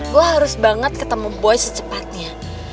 gue harus banget ketemu boy secepatnya